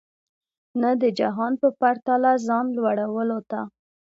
نه د جهان په پرتله ځان لوړولو ته.